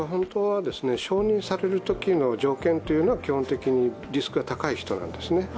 承認されるときの条件は基本的にリスクが高い人なんですね。